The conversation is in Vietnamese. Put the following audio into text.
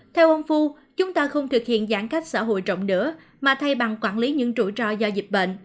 theo ông phu chúng ta không thực hiện giãn cách xã hội rộng nữa mà thay bằng quản lý những trụ trò do dịp bệnh